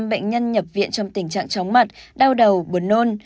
năm bệnh nhân nhập viện trong tình trạng chóng mặt đau đầu buồn nôn